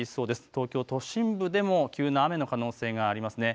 東京都心部でも急な雨の可能性があります。